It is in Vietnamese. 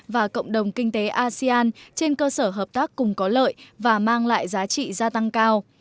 và cộng đồng kinh tế asean trên cơ sở hợp tác cùng có lợi và mang lại giá trị gia tăng cao